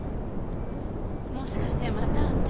もしかしてまたあんた。